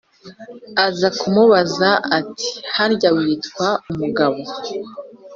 aza kumubaza, ati:”harya witwa mugabo?